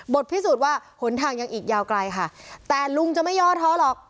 พิสูจน์ว่าหนทางยังอีกยาวไกลค่ะแต่ลุงจะไม่ย่อท้อหรอก